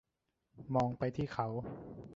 มองไปที่เขา